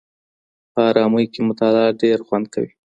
په ارامۍ کي مطالعه ډېر خوند کوي.